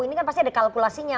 ini kan pasti ada kalkulasinya